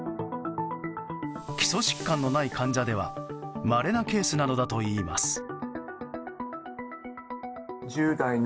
基礎疾患のない患者ではまれなケースなのだといいます。